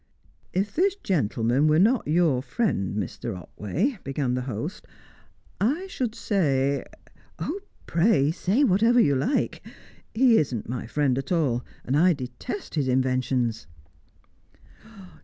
"If this gentleman were not your friend, Mr. Otway," began the host, "I should say " "Oh, pray say whatever you like! He isn't my friend at all, and I detest his inventions."